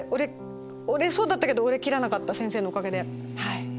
折れそうだったけど折れなかった先生のおかげで。